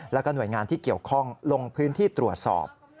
แล้วก็หน่วยงานที่เกี่ยวข้องลงพื้นที่ตรวจสอบ